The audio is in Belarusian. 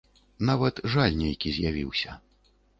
Нават жаль нейкі з'явіўся.